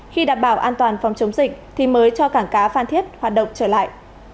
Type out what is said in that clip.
khi đảm bảo an toàn phòng chống dịch thì mới cho cảng cá phan thiết hoạt động trở lại